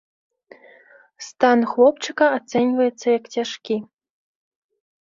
Стан хлопчыка ацэньваецца як цяжкі.